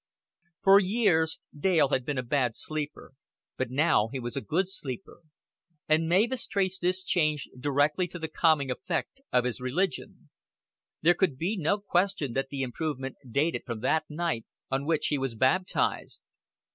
For years Dale had been a bad sleeper, but now he was a good sleeper; and Mavis traced this change directly to the calming effect of his religion. There could be no question that the improvement dated from that night on which he was baptized.